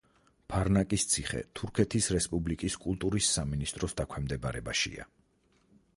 ფარნაკის ციხე თურქეთის რესპუბლიკის კულტურის სამინისტროს დაქვემდებარებაშია.